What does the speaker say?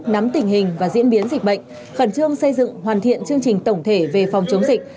nắm tình hình và diễn biến dịch bệnh khẩn trương xây dựng hoàn thiện chương trình tổng thể về phòng chống dịch